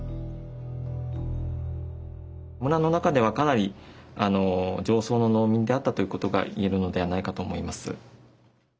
村の中ではかなり上層の農民であったということが言えるのではないかと思います。